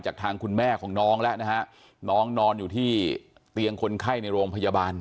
จากทางคุณแม่ของน้องแล้วนะฮะน้องนอนอยู่ที่เตียงคนไข้ในโรงพยาบาล